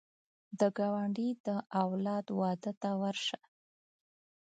د ګاونډي د اولاد واده ته ورشه